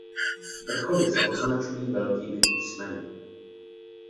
Vrcholy se označují velkými písmeny.